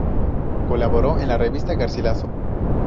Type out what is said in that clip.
Colaboró en la revista "Garcilaso.